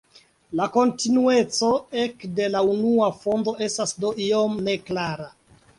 La kontinueco ek de la unua fondo estas do iom neklara.